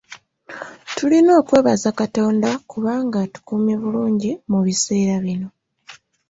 Tulina okwebaza Katonda kubanga atukuumye bulungi mu biseera bino.